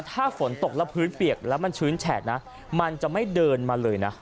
ถ้าฝนตกแล้วพื้นเปียกแล้วมันชื้นแฉกนะมันจะไม่เดินมาเลยนะ